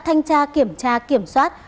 thanh tra kiểm tra kiểm soát